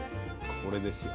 これですよ。